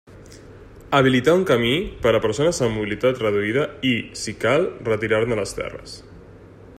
Habilitar un camí per a persones amb mobilitat reduïda, i, si cal, retirar-ne les terres.